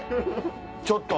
ちょっと！